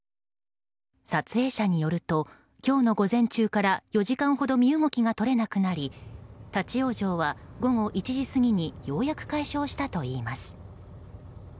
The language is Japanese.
撮影者によると今日の午前中から４時間ほど身動きが取れなくなり立ち往生は午後１時過ぎにようやく解消したといいます。